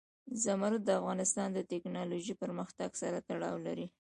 زمرد د افغانستان د تکنالوژۍ پرمختګ سره تړاو لري.